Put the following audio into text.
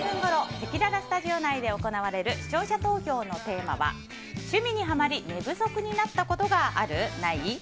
せきららスタジオ内で行われる視聴者投票のテーマは趣味にハマり寝不足になったことがあるない？